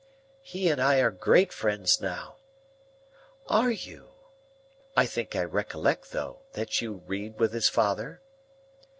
"He and I are great friends now." "Are you? I think I recollect though, that you read with his father?"